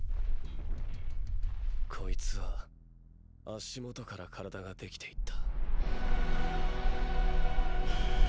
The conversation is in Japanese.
こいつは足元から体ができていった！！